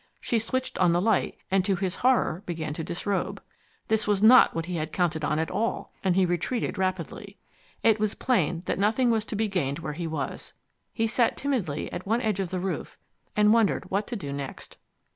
She switched on the light, and to his horror began to disrobe. This was not what he had counted on at all, and he retreated rapidly. It was plain that nothing was to be gained where he was. He sat timidly at one edge of the roof and wondered what to do next.